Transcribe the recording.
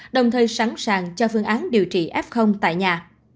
đồng thời sẵn sàng cho phương án điều trị f tại nhà